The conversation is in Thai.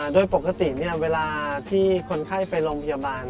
โดยปกติเวลาที่คนไข้ไปโรงพยาบาล